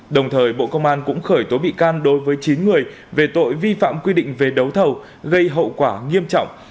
đồng thời bộ công an cũng khởi tố bị can đối với chín người về tội vi phạm quy định về đấu thầu gây hậu quả nghiêm trọng